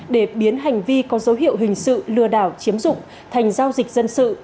để biến hành vi có dấu hiệu hình sự lừa đảo chiếm dụng thành giao dịch dân sự